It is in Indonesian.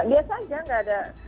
dia saja enggak ada